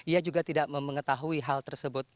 ia juga tidak mengetahui hal tersebut